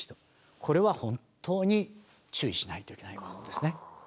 これは本当に注意しないといけないものですね。